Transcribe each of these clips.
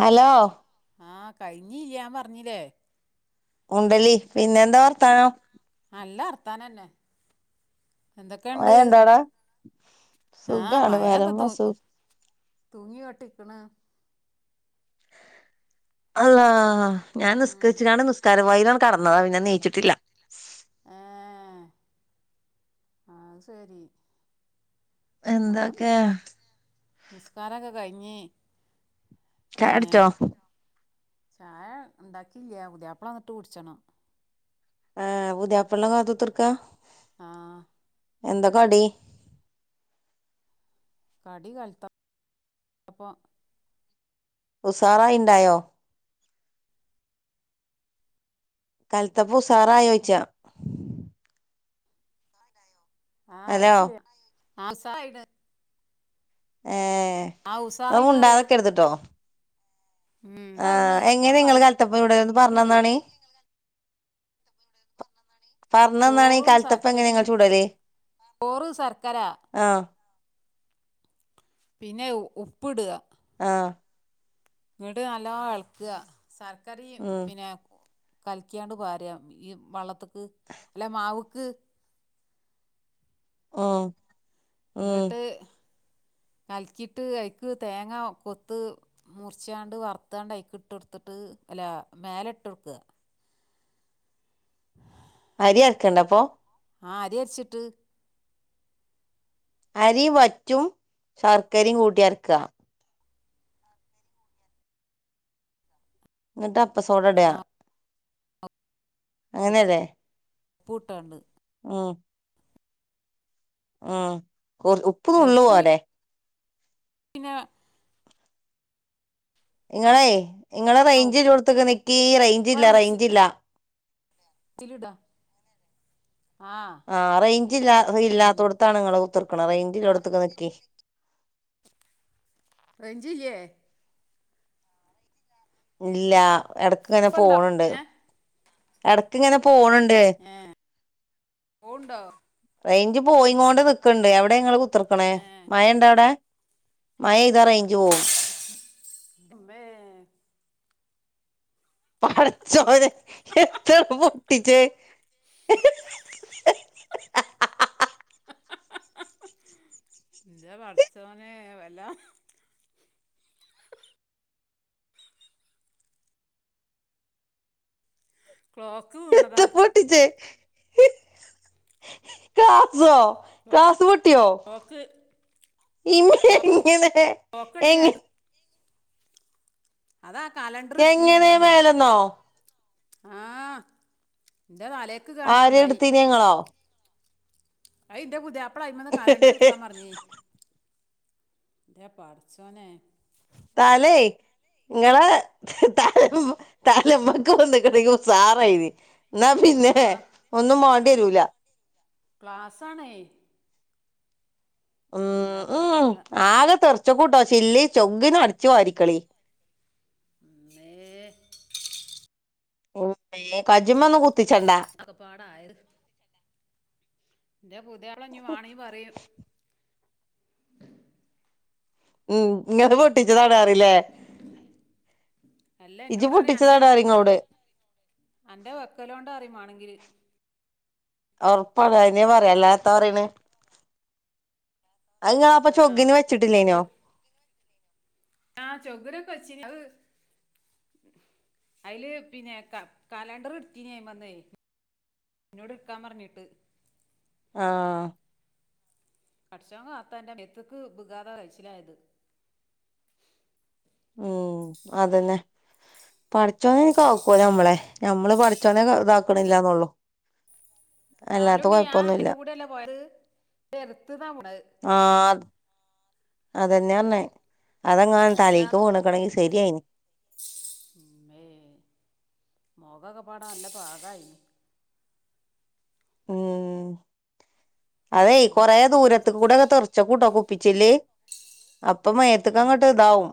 Hello കഴിഞ്ഞില്യാ ഞാൻ പറഞ്ഞില്ലേ ഉണ്ടലി പിന്നെന്താ ആ വർത്താനം നല്ല വർത്താനന്നെ മഴ എന്തൊക്കെയ്ണ്ട് ഇണ്ടാടാ സുഖാണ് പരമ സു തൂങ്ങിയോട്ടിക്കണ് അള്ളാ ഞാൻ ഉം നിസ്കരിച്ച്ങ്ങാണ്ട് നിസ്കാരപ്പായിലാണ്കടന്നതാ പിന്നെയ്ച്ചിട്ടില്ല [inaudible] ഏ അത് ശെരി എന്തൊക്കെ നിസ്കാരൊക്കെ കയിഞ്ഞ് ചായുടിച്ചോ ചായ ഇണ്ടാക്കിയില്ല പുതിയാപ്പള വന്നിട്ട് കുടിച്ചണം ആഹ് പുതിയാപ്പളനെ കാത്ത്കുത്ത്ർക്കാ ആ എന്താകടി കടി കലത്ത പ്പാ ഉസാറായിണ്ടായോ കൽത്തപ്പം ഉസാറായോ ചോയിച്ചാ ആഹ് ഹലോ കൊയപ്പില്ല [unintelligible] ഏ അത് ഉസാറായിണ് പറയാ മുണ്ടാതെക്കരുത്ട്ടോ ഉം അതായിണ് ആഹ് എങ്ങനെ ഞാൻ നിങ്ങള് കാലത്തപ്പം ചുട്അ ഒന്ന് പറയണ്ട് പറഞ്ഞന്നാണീൻ പറഞ്ഞന്നാണീൻ ഈ ചോറും കാലത്തപ്പെങ്ങനെയാ ശർക്കരയും നിങ്ങള് ചൂടല് ചോറ് ശർക്കര ആഹ് പിന്നെ ഉപ്പിട്അ ആഹ് ഇങ്ങ്ട് നല്ലോണെളക്ക്അ ശർക്കരേം ഉം പിന്നെ കലക്കിയാണ്ട് വാര്അ ഈ വെള്ളത്ത്ക്ക് അല്ല മാവ്ക്ക് ആഹ് ഇങ്ങ്ട്ട് [inaudible] കലക്കിട്ട് അയിക്ക് തേങ്ങ കൊത്ത് മുറിച്ചാണ്ട് വറുത്താണ്ട് അയ്ക്ക് ഇട്ടൊടുത്തിട്ട് അല്ല മേലെട്ടൊട്ക്ക അരിയരക്കണ്ടെ അപ്പൊ ആഹ് അരി അരിച്ചിട്ട് അരി വറ്റും ശർക്കരയും കൂട്ടിയരക്ക്അ ഇന്നിട്ട് ആ അപ്പസോടട്ആ അങ്ങനെയല്ലേ ഉപ്പുട്ടാണ്ട് ആഹ് ഉം കൊറ ഉപ്പ് നുള്ളുപോരെ പിന്നെ ആ നിങ്ങളെ ഇങ്ങള് റേഞ്ചുള്ളോടത്തിക്ക് നിക്കീ ഉപ്പ റേഞ്ചില്ല റേഞ്ചില്ല മിക്സിലിടാ [unintelligible] ആ റേഞ്ചില്ല ഉം ഇല്ലാത്തോടത്താണ് നിങ്ങൾ കുത്ത്ർക്കണെ മതി റേഞ്ചില്ലോടുത്ത്ക്ക് നിക്കീ [inaudible] റേഞ്ചില്ല്യേ ഇല്ല എടക്ക്ങ്ങനെ ഇപ്പണ്ടോ പോണുണ്ട് ഏ എടക്ക്ങ്ങനെ പോണ്‌ണ്ട് ഏഹ് പോവുണ്ടോ റേഞ്ച് പോയി കൊണ്ട് നിക്കണ്ട് എവിടെ ങ്ങൾ കുത്തിർക്കണേ ഏ മഴ ഇണ്ട അവിടെ മഴ മ [unintelligible] പടച്ചോനെ എത്താ പൊട്ടിച്ചേ ആ [unintelligible] എന്റെ പടച്ചോനെ വല്ല ക്ലോക്ക് എത്ത വീണതാ പൊട്ടിച്ചേ ക്ലാസോ ക്ലാസ പൊ ട്യോ ക്ലോക്ക് ഇമ്മേ ക്ലോക്ക് എങ്ങനെ ക്ലോക്ക് എങ്ങ ഉണ്ടെങ്കിൽ അൽ- അതാ കാലണ്ടർ എടുത്തീനി എങ്ങനെ അ്മന്നേ മേലെന്നോ ആ എന്റെ തലേക്ക് കാഞ്ഞ ആര് ഇടുത്തിന് ഇങ്ങളോ അ ഇൻ്റെ പുതിയാപ്പള അയ്മന്ന് കാലണ്ടർ ഇട്ക്കാ പറിഞ്ഞേനി ൻ്റെ പടച്ചോനെ തലേ ഇങ്ങളെ തലമക്ക് വീണക്കണങ്കി ഉസാറായി നി എന്നാ ആ പിന്നെ ന്നലെ ഒന്നും മാണ്ടി വരൂല ക്ലാസാണേ വല്ലാത്തൊരു കഥ ഉച്ചക്കൂട്ടോ ചില്ലി ചൊഗിന് അടച്ച് വാരിക്കാളി [unintelligible] [unintelligible] ഒക്കെ പാടയത് എന്റെ പുതിയാളഞ്ഞീ മാണി പറയും ഉം ഇങ്ങള് പൊട്ടിച്ചതാണറില്ലെ അല്ല ഇജങ എന്നോട് പറയാം പൊട്ടിച്ചതാണ് എൻ്റെ ആരിങ്ങോട് അന്റെ വെക്കലോണ്ടാറിം മാണങ്കിൽ ഒറപ്പാണ് അതിനേ പറയാല്ലാത്താ പറിണ് അഇങ്ങള് അപ്പൊ ആ ചൊഗ്ഗിന്ന് വെച്ചിട്ടില്ലേനോ ആഹ് ചൊഗ്‌നൊക്കെ വച്ചിനി അഹ് അതില് പിന്നെ കലണ്ടർ എടുത്തീനി അയ്മന്നേ എന്നോട്ടുക്കാ പറഞ്ഞിട്ട് ആഹ് പടച്ചോൻ കാത്തേന്നേ മേത്തക്ക് വികാതെകഴിച്ചിലായതന്നെ ഓ അതന്നെ പഠിച്ചോന്ന് കാക്കോല്ലമ്മളെ ഞമ്മള് പഠിച്ചോന്നെ ഇതാക്കണില്ലന്നള്ളു നാല് മണി ആഹ് അപ്പത്ത കൂടെല്ല പോയത് ചെറുത്ത്താ [unintelligible] അതെന്നെയ പറഞ്ഞെ അതെങ്ങാ അല്ല തലേക്ക് വീണ്ക്കണെങ്കിൽ ശരിയായിന് ഉന്നേ മോകോക്ക പാടാ അല്ല പാകായിന് ഉം അതെ ഉം കൊറേ ദൂരത്ത് കൂടെ പാകത്ത് ഒക്കെ തെറച്ച് കൂട്ടൊ കുപ്പിച്ചില്ലേ അപ്പൊ മയത്ത്ക്ക ഉം അങ്ങോട്ട് ഇതാവും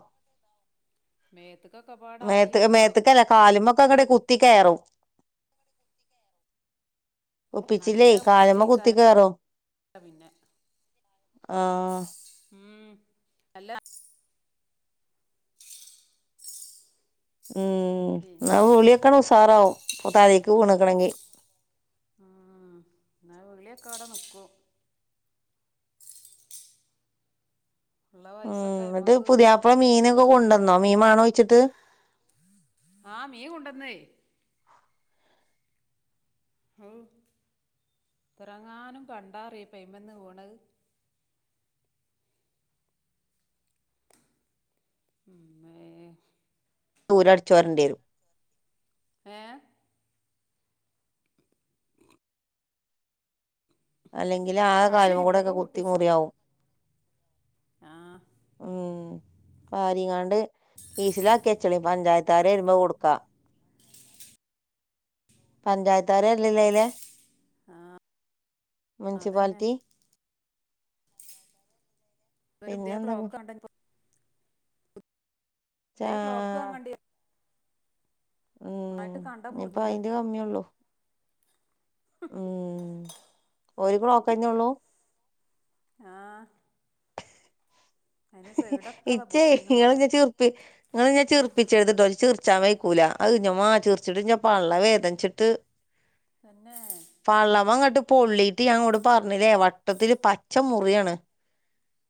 മേത്ത്ക്കൊക്കെ മേത്ത് പാടായിപ്പോ മേത്ത്ക്കല്ല കാലുമൊക്കെടെ കു ത്തികയറും കുപ്പിച്ചില്ലേ നല്ല കാല്മ്മ കുത്തി വിളിയേക്കാരം കയറും [unintelligible] ആഹ് ഉം അല്ല ഉം പിന്നെ ഒളിയക്കസറാവും തലേക്ക് വീണിക്ക്ണങ്കി ഉം എന്നാ വിളിയൊക്കെ അടെ നിക്കും ഉള്ള പൈസൊക്കെ ഉം എന്നിട്ട് അയ്മക്ക് പുതിയാപ്പള മീനൊക്കെ കൊണ്ടുവ ആ മീ കൊണ്ടെന്ന് പിറങ്ങാനും കണ്ടാറിയ പ്മന്ന് പോണത് [unintelligible] ഊരടിച്ചുവാരേണ്ടിയിറും ഏഹ് അല്ലെങ്കിലാകെ അച്ഛൻ കാല്മ്മകൂടൊക്കെ, മൂലൊക്കെ ൺ കുത്തി കൂട്ടിച്ചു മുറിയാവും ആ ഉം വാരിങ്ങാണ്ട് കീസിലാക്കിച്ചളി പഞ്ചായത്ത് കാരെരുമ്പ കൊടുക്കാ പഞ്ചായത്താരല്ലല്ലെ അയ്ലേ അതന്നെ മുൻസിപ്പാലിറ്റി ഒരു പിന്നെ പുതിയ എന്തൊക്കെ ക്ലോക്ക് കണ്ടെ ചാ ഇതേ ക്ലോക്ക് വാങ്ങണ്ടി ഉം നന്നായിട്ട് കണ്ട ന്നിപ്പ മുറിഞ്ഞീണ് അയിന്റെ കമ്മിയ്ള്ളൂ ഉം ഒരു ക്ലോക്കഞ്ഞള്ളൂ ആഹ് [unintelligible] അതാ ഇച്ചേയ് പൊട്ടീണ് മോളെ ങ്ങളിന്നെ ചിർപ്പിച്ചര്ത് ങ്ങളിന്നെ ചിർപ്പിച്ചെരുത് ട്ടോ ച്ച് ചിർചാൻ വെയ്ക്കൂല ന്റെമ്മാ ചിർചിട്ടിന്റെ പള്ള വേദൻച്ചിട്ട് തന്നെ പള്ളമ്മങ്ങട്ട് പൊള്ളിട്ട് ഞാങ്ങളോട് പറഞ്ഞില്ലേ വട്ടത്തില് പച്ച മുറിയാണ്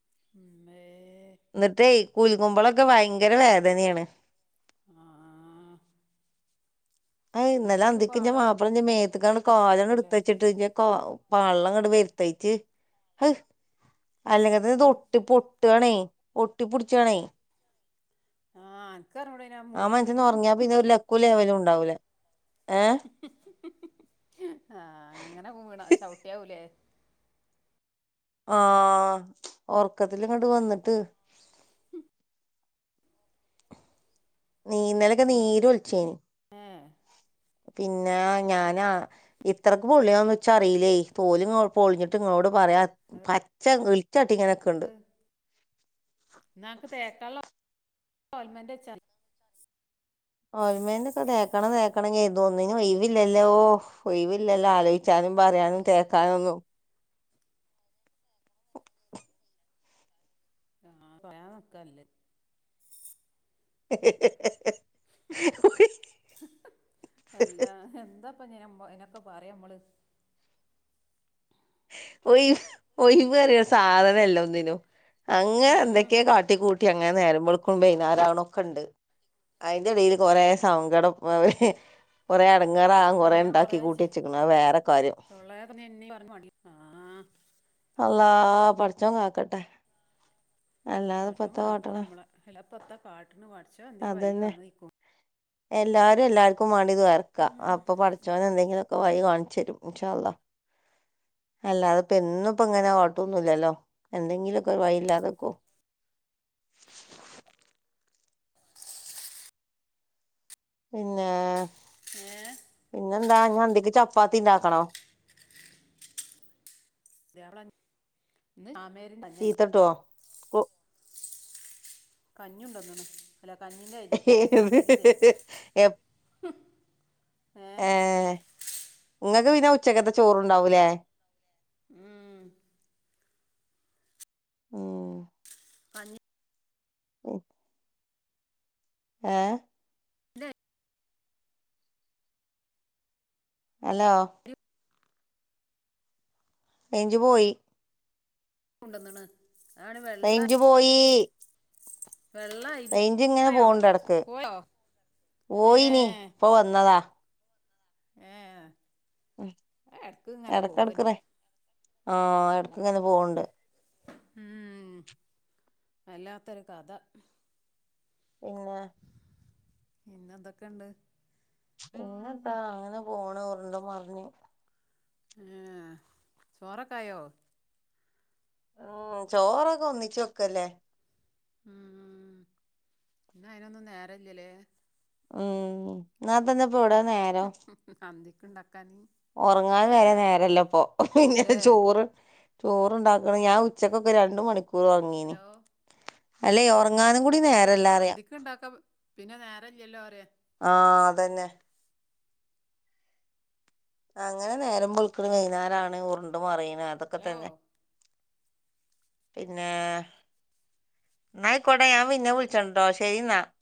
[inaudible] ന്നിട്ടേയ് കുലുങ്ങുമ്പളൊക്കെ വയങ്കര വേദനയാണ് ആഹ് ആഹ് ന്നലന്തിക്ക് ഞ്ചെ മാപ്പള ഞ്ചെ മേത്ത്ക്കണ് പറ്റിയതപ്പല്ലേ കാലങ്ങട്ട്ത്ത്ച്ച്ട്ട് പള്ളങ്ങട് വെര്തായിട്ട് ഹഹ് അത് അല്ലെങ്കിതെന്നെതോട്ടിപൊട്ടാണേയ് ഒട്ടിപ്പുഡ്ച്ചാണേയ് ആഹ് അനക്കറിഞ്ഞൂടെ ആ, മുറി ഉണ്ടെന്ന് മനഷ്യന്ന്റങ്ങിയപ്പിനൊരു, ലക്കു, ലെവലും, ണ്ടാവൂല ഏഹ് ഹഹ്, ഹഹ്, ആ, അങ്ങനെ, വീണോ, ചവിട്ടിയാവൂലേ ആഹ് ഓർക്കത്തിലങ്ങട്ട്, വന്നിട്ട് ഉം, നീന്നെലൊക്കെ, നീരൊൽചീഞ്ഞും ഏഹ് പിന്ന, ഞാനാ, ഇത്രക്ക്, പൊള്ളിയെന്നും, ഇച്ചറീലെയ്, തോല്, ങ്ങ, പൊളിഞ്ഞി പറയാ, പച്ച, ഇൾ [inaudible] [inaudible] ഓല്മെന്റ് ഓൽമേന്റെക്കെ, തേക്കണം, തേക്കണം, കെർതും, തോന്നിനും, ഒയ് വില്ലല്ലോ ഒയിവില്ലല്ലോ, ആലോചിച്ചാ പറയാനും, തേക്കാനൊന്നും ആഹ് പറയാ, തെക്കല്ലേ [unintelligible] ഹഹ ആഹ്ഹ, അല്ലാ, എന്താ പ്പൊ, ഞ, നിനൊക്കെ പറയാമ്മള് ഒയി, ഒയിവ്റയണ സാധനല്ല ഒന്നിനും അങ്ങനെ, ഉം എന്തൊക്കെ, കാട്ടി, കൂട്ടി, അങ്ങനെ, നേരമ്പോളക്കു, വെയ്നാരാവണ ഒക്കെ, ണ്ട് അതിന്റെടയിൽ, കൊറേ, സങ്കടം, പ, കൊറെ, അ ങ്ങളെ, ആഹ്, പിന്നെ കൊറേ കൊറേഉണ്ടാക്കി കൂട്ടി ചി വച്ചക്കണ വേറെ കാര്യം തൊള്ളേന്ന് എന്നെ പറഞ്ഞ് മടി ആഹ് അള്ളാഹ്, പടച്ചോൻകാക്കട്ടെ പച്ചോൻ, കാക്കട്ടമ്മളെ, അല്ലാപ്പെത്താക്കാട്ട്ണ്, പടച്ചോൻ, ന്ധെങ്കിവയ്യ്, അതന്നെ കാട്ടുഏയ്‌ക്കും എല്ലാരും, എല്ലാർക്കും, വാണ്ടി, ദോയർക്ക, ഉം അപ്പൊ, പടച്ചോനെന്തേങ്കി വൈ, കാണിച്ചരും, ഇൻ, ഷാള്ളാഹ്, അല്ലാതെപ്പെന്നും ഇപ്പ, ങ്ങനെ കുഴട്ടൊന്നുല്ലല്ലോ, എന്തെങ്കിലുക്കെ, വയി, ഇല്ലാതക്കോ [inaudible] പിന്നെ ഏ എ ന്താ അന്തിക്കു ചാപ്പാത്തിണ്ടാക്കണോ? മം.. ചീത്തട്ടോ കൊ കഞ്ഞുണ്ടോന്ന. അല്ല കഞ്ഞിന്റെ അരി ഏത് ചാമേരിന്റെ അരി എപ്- ഏ ങ്ങക്ക് പിന്നെ ഉച്ചക്കത്തെ ചോറുണ്ടാവൂലേ. ഉം മ് അതെ. ഓ ഏ ഹലോ? അരി റേഞ്ച് പോയി. കൊണ്ടന്നാണ്. റേഞ്ച് പോയി. വെള്ള അരി റേഞ്ച് ഇങ്ങനെ പോയോ പോണ്ടടെടക്ക് പോയോ ഏ പോയിനി ഇപ്പൊ വന്നതാ. ആഹ് ഉ എടക്കടക്ക് ആഹ് എടക്ക്ങ്ങനെ പോണ്ട്. ഉ അല്ലാത്തൊരു കഥ. പിന്നെ പിന്നെ എന്തൊക്കെ ഇണ്ട്. പിന്നന്താ അങ്ങനെ പോണ്. ഉറുണ്ട് മറിഞ്. ആഹാ ചോറൊക്കെ ആയോ? ഉം ചോറൊക്കെ ഒന്നിച്ച് വെക്കല്ലേ ഉം പിന്ന അയിനൊന്നും നേരല്ലല്ലേ ഉം നാ തന്നെപ്പോ എവിടെ നേരോ അന്തിക്ക് ഉണ്ടാക്കാൻ ഉറങ്ങാൻ വരെ നേരല്ലപ്പൊ പിന്നെ അല്ലേ ചോറ് ചോറുണ്ടാക്കണ ഞാൻ ഉച്ചക്കൊക്കെ രണ്ട് മണിക്കൂർ ഒറങ്ങീന് ഹലോ അല്ലെ ഉറങ്ങാനും കൂടി നേര അന്തിക്ക് ഇണ്ടാക്ക പിന്നെ നേരല്ലല്ലോ പറയാ തന്ന അങ്ങനെ നേരം വേളുക്കണ വൈന്നാരാണ് ഉറിണ്ട് മറിയണ് അതൊക്കെ ഹലോ തന്നെ പിന്നെ ന്നാ ആയിക്കോട്ടെ ഞ പിന്നെ വിളിക്കേണ്ട് ശരിന്നാ മം